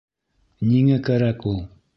Ниңә кәрәк ул?